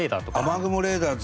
雨雲レーダー